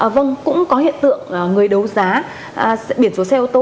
vâng cũng có hiện tượng người đấu giá biển số xe ô tô